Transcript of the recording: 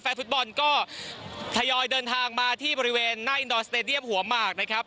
ฟุตบอลก็ทยอยเดินทางมาที่บริเวณหน้าอินดอร์สเตดียมหัวหมากนะครับ